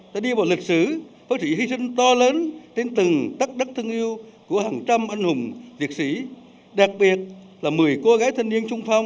thưa các bà mẹ